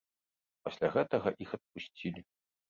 Пасля гэтага іх адпусцілі.